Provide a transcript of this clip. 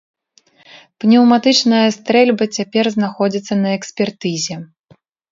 Пнеўматычная стрэльба цяпер знаходзіцца на экспертызе.